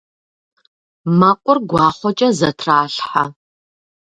Мэкъур гуахъуэкӏэ зэтралъхьэ.